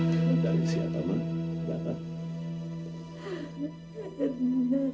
tidak ada siapa ma kenapa